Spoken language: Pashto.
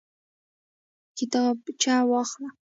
کتابچه واخله